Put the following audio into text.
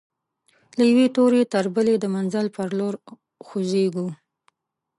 له یوې توري تر بلي د منزل پر لور خوځيږو